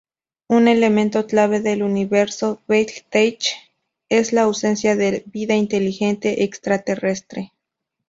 Un elemento clave del universo "BattleTech" es la ausencia de vida inteligente extraterrestre.